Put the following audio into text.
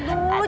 eh ntar dulu